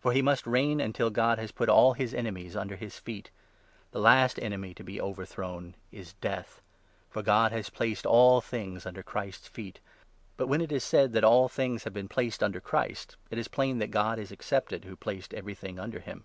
For he must reign until God ' has put all his enemies under his feet.' The last enemy to be overthrown is death ; for God has placed all things under Christ's feet. (But, when it is said that all things have been placed under Christ, it is plain that God is excepted who placed everything under him.)